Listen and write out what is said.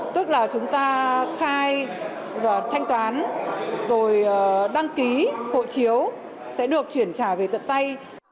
tức là chúng ta khai và thanh toán rồi đăng ký hộ chiếu sẽ được chuyển trả về tận tay